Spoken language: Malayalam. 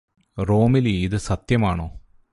റോമിലി ഇത് സത്യമാണോ